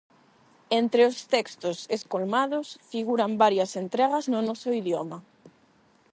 Entre os textos escolmados figuran varias entre gas no noso idioma.